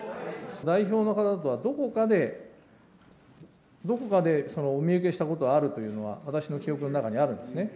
代表の方とはどこかで、どこかでお見受けしたことはあるというのは、私の記憶の中にあるんですね。